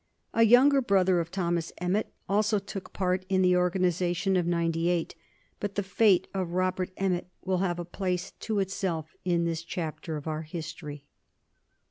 A younger brother of Thomas Emmet also took part in the organization of "Ninety Eight," but the fate of Robert Emmet will have a place to itself in this chapter of our history.